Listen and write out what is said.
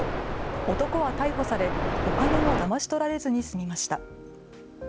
男は逮捕され、お金もだまし取られずに済みました。